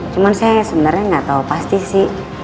cuma saya sebenarnya nggak tahu pasti sih